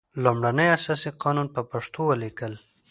لومړنی اساسي قانون په پښتو ولیکل.